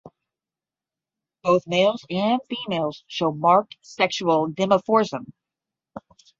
Both males and females show marked sexual dimorphism.